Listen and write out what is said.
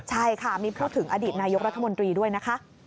ใช่ค่ะมีพูดถึงอดีตนายกรัฐมนตรีด้วยนะคะ